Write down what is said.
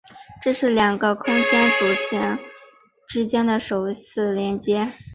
这是两个空间站组件之间的首次连接。